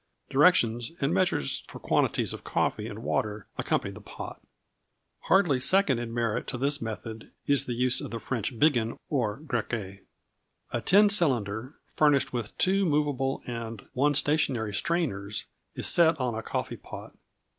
Directions and measures for quantities of coffee and water accompany the pot. Hardly second in merit to this method is the use of the French "biggin" or "grecque." A tin cylinder, furnished with two movable and one stationary strainers, is set on a coffee pot.